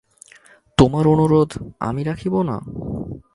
তোমার অনুরোধ আমি রাখিব না?